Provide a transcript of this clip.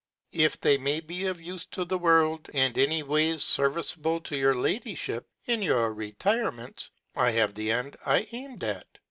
If they may be of Ufe to the World, and any ways ferviceable to Your Ladijhip in Your retire ments, I have the end I aimed at.